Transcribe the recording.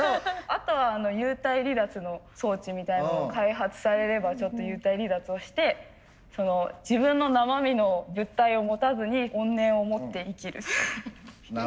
あとは幽体離脱の装置みたいなのを開発されればちょっと幽体離脱をして自分の生身の物体を持たずに怨念を持って生きるみたいな。